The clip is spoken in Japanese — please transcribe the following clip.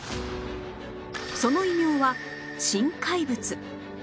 その異名は新怪物